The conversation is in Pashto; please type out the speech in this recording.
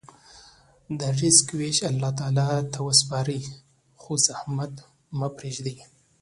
د رزق ویش الله تعالی ته وسپارئ، خو زحمت مه پرېږدئ.